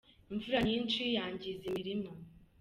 Imvura nyinshi yangiza imirima.